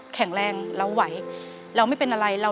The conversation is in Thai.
เปลี่ยนเพลงเพลงเก่งของคุณและข้ามผิดได้๑คำ